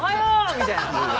みたいな。